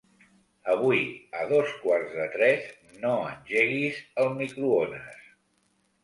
Avui a dos quarts de tres no engeguis el microones.